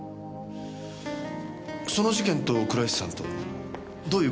その事件と倉石さんとどういう関係が？